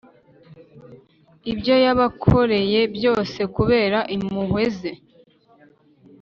ibyo yabakoreye byose, kubera impuhwe ze.